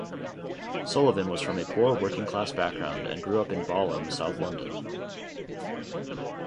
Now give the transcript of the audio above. Sullivan was from a poor working-class background, and grew up in Balham, South London.